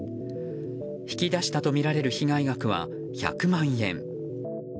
引き出したとみられる被害額は１００万円。